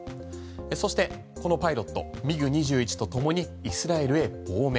そして、このパイロットＭｉＧ２１とともにイスラエルへ亡命。